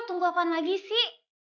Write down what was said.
tunggu apaan lagi sih